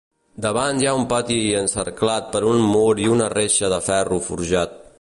Davant hi ha un patí encerclat per un mur i una reixa de ferro forjat.